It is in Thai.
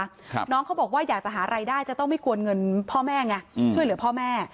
ครับน้องเขาบอกว่าอยากจะหารายได้จะต้องไม่กวนเงินพ่อแม่ไงอืมช่วยเหลือพ่อแม่